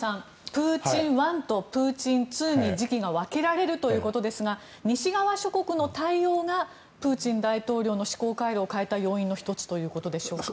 プーチン１とプーチン２に時期が分けられるということですが西側諸国の対応がプーチン大統領の思考回路を変えた要因の１つということでしょうか。